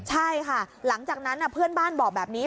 ใช่ค่ะหลังจากนั้นเพื่อนบ้านบอกแบบนี้